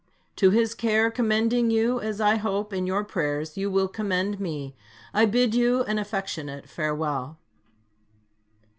To His care commending you, as I hope in your prayers you will commend me, I bid you an affectionate farewell.